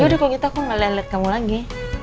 ya udah kok gitu aku ngeliatin kamu lagi